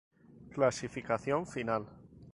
Clasificación final.